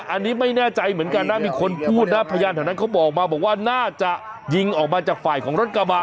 อันนี้ไม่แน่ใจเหมือนกันนะมีคนพูดนะพยานแถวนั้นเขาบอกมาบอกว่าน่าจะยิงออกมาจากฝ่ายของรถกระบะ